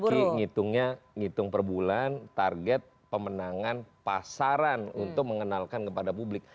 kalau nizaki ngitungnya ngitung perbulan target pemenangan pasaran untuk mengenalkan kepada publik